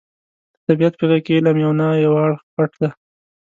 د طبیعت په غېږه کې علم یو نه یو اړخ پټ دی.